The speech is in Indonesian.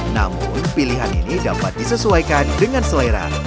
namun pilihan ini dapat disesuaikan dengan selera